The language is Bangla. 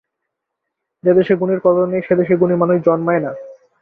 যে দেশে গুণীর কদর নেই, সে দেশে গুণী মানুষ জন্মায় না।